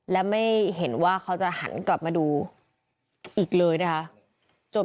และไม่เห็นว่าเขาจะหันกลับมาดูอีกเลยนะคะ